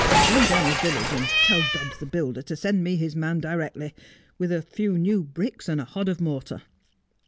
Run down the village, and tell Dubbs the builder to send me his man directly, with a few new bricks and a hod of mortar.'